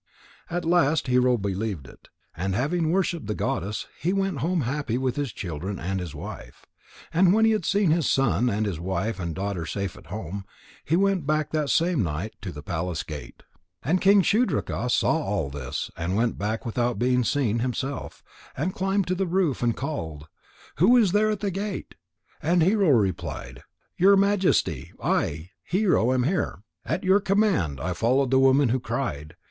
At last Hero believed it, and having worshipped the goddess, he went home happy with his children and his wife. And when he had seen his son and his wife and daughter safe at home, he went back that same night to the palace gate. And King Shudraka saw all this and went back without being seen himself, and climbed to the roof, and called: "Who is there at the gate?" And Hero replied: "Your Majesty, I, Hero, am here. At your command I followed the woman who cried.